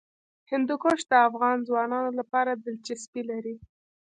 هندوکش د افغان ځوانانو لپاره دلچسپي لري.